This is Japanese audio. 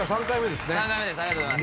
３回目です。